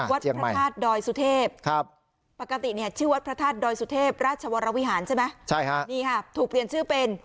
วัดพระธาตุดอยสุเทพปกติเนี่ยชื่อวัดพระธาตุดอยสุเทพราชวรวิหารใช่ไหมใช่ฮะนี่ค่ะถูกเปลี่ยนชื่อเป็น